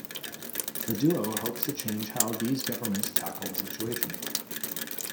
The duo hopes to change how these governments tackle the situation.